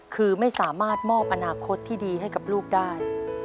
คือไม่สามารถมอบอนาคตที่ดีให้กับลูกได้